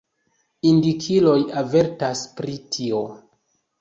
Indikiloj avertas pri tio.